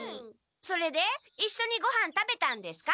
それでいっしょにごはん食べたんですか？